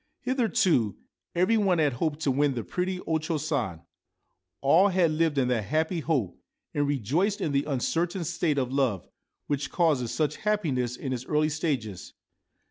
Hitherto every one had hoped to win the pretty O Cho San ; all had lived in that happy hope, and rejoiced in the uncertain state of love, which causes such happiness in its early stages.